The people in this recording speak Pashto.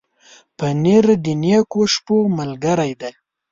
پنېر د نېکو شپو ملګری دی.